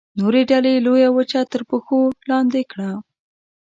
نورې ډلې لویه وچه تر پښو لاندې کړه.